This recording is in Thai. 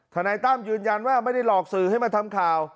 นายตั้มยืนยันว่าไม่ได้หลอกสื่อให้มาทำข่าว